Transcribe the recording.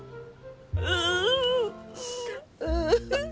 うん。